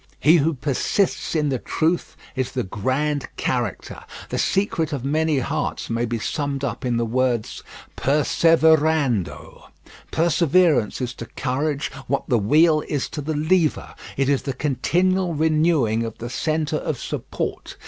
He who persists in the truth is the grand character. The secret of great hearts may be summed up in the word: Perseverando. Perseverance is to courage what the wheel is to the lever; it is the continual renewing of the centre of support.